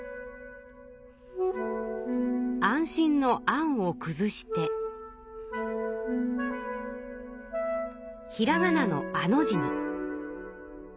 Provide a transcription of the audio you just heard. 安心の「安」をくずしてひらがなの「あ」の字に。